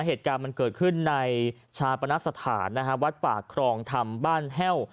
เหตุการณ์มันเกิดขึ้นในชาปนสถานนะฮะวัดป่าครองธรรมบ้านแห้ว